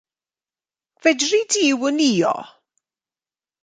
Fedri di wnïo?